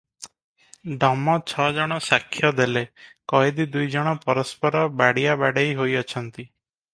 ଡମ ଛ ଜଣ ସାକ୍ଷ୍ୟ ଦେଲେ, କଏଦୀ ଦୁଇଜଣ ପରସ୍ପର ବାଡ଼ିଆବାଡ଼େଇ ହୋଇଅଛନ୍ତି ।